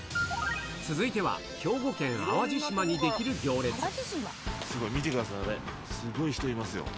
続いては兵庫県淡路島に出来る行すごい、見てください、あれ、すごい、人いますよ。